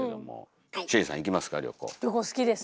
旅行好きです。